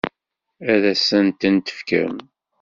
Ad as-tent-tefkem?